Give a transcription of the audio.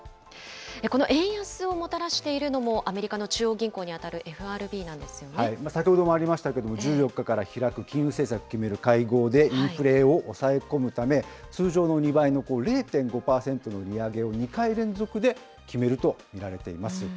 この円安をもたらしているのも、アメリカの中央銀行に当たる先ほどもありましたけれども、１４日から開く金融政策を決める会合で、インフレを抑え込むため、通常の２倍の０．５％の利上げを２回連続で決めると見られています。